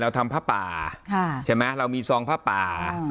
ทำผ้าป่าใช่ไหมเรามีซองผ้าป่า